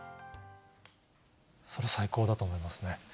それ、最高だと思いますね。